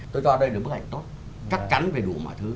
tôi cho đây là bức ảnh tốt chắc chắn về đủ mọi thứ